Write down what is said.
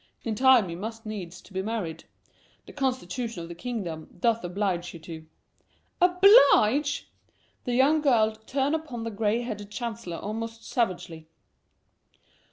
In time you must needs be married. The constitution of the kingdom doth oblige you to." "Oblige!" and the young girl turned upon the gray headed chancellor almost savagely.